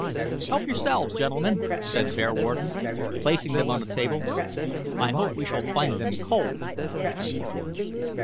"Help yourselves, gentlemen," said Bearwarden, placing them on a table; "I hope we shall find them cold."